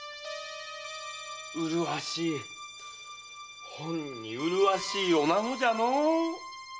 麗しいほんに麗しい女子じゃのう。